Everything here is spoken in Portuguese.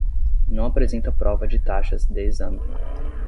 Não apresenta prova de taxas de exame.